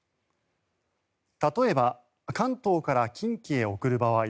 例えば、関東から近畿へ送る場合